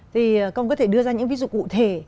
thì con có thể đưa ra những ví dụ cụ thể